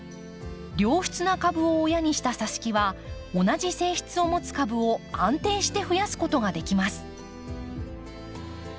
良質な株を親にしたさし木は同じ性質を持つ株を安定して増やすことができます。